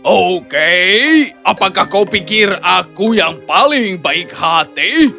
oke apakah kau pikir aku yang paling baik hati